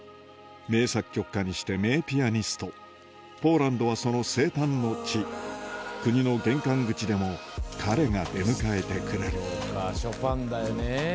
名作曲家にして名ピアニストポーランドはその生誕の地国の玄関口でも彼が出迎えてくれるそうかショパンだよね。